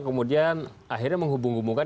kemudian akhirnya menghubung hubungkan